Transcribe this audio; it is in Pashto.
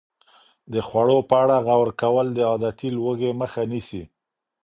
د خوړو په اړه غور کول د عادتي لوږې مخه نیسي.